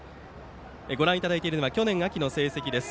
ご覧いただいているのは去年秋の成績です。